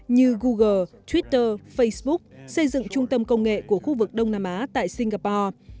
như google twitter facebook xây dựng trung tâm công nghệ của khu vực đông nam á tại singapore